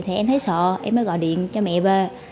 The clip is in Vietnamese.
thì em thấy sợ em mới gọi điện cho mẹ về